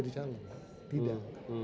saya sudah berpunca